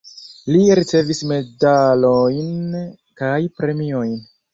Li ricevis medalojn kaj premiojn.